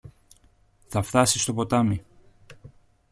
Θα φθάσει στο ποτάμι.